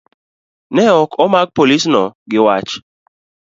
Ne ok omak polisno gi wach